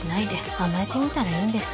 甘えてみたらいいんです。